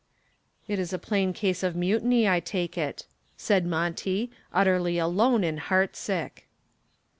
"It is a plain case of mutiny, I take it," said Monty, utterly alone and heart sick.